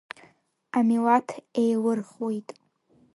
Амилаҭ еилырхуеит…